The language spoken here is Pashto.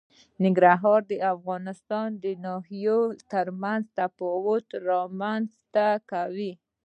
ننګرهار د افغانستان د ناحیو ترمنځ تفاوتونه رامنځ ته کوي.